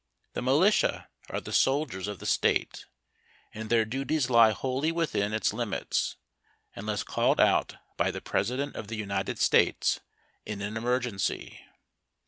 The militia are the soldiers of the State, and their duties lie wholly within its limits, unless called out by the President of the United States in an emergency.